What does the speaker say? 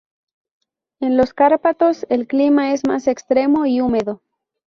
En los Cárpatos el clima es más extremo y húmedo.